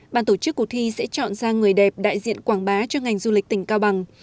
bàn tổ chức cuộc thi sẽ chọn ra người đẹp đại diện quảng bá cho ngành du lịch tỉnh cao bằng